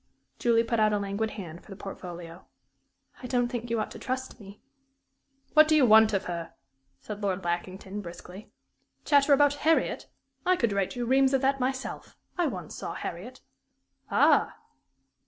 Julie put out a languid hand for the portfolio. "I don't think you ought to trust me." "What do you want of her?" said Lord Lackington, briskly. "'Chatter about Harriet?' I could write you reams of that myself. I once saw Harriet." "Ah!"